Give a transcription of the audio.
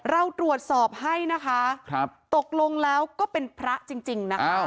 เราตรวจสอบให้นะคะตกลงแล้วก็เป็นพระจริงนะคะ